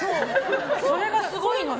それがすごいのよ。